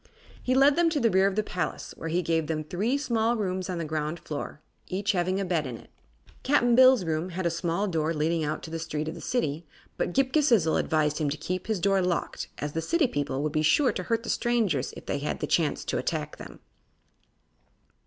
He led them to the rear of the palace, where he gave them three small rooms on the ground floor, each having a bed in it. Cap'n Bill's room had a small door leading out into the street of the City, but Ghip Ghisizzle advised him to keep this door locked, as the city people would be sure to hurt the strangers if they had the chance to attack them.